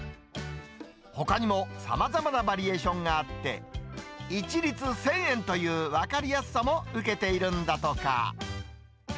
ほかにも、さまざまなバリエーションがあって、一律１０００円という分かりやすさも受けているんだとか。